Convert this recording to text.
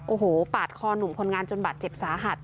โอ้โหปาดคอหนุ่มคนงานจนบาดเจ็บสาหัส